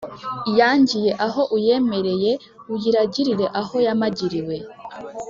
Iyangiye aho uyemereye, uyiragirira aho yamagiriye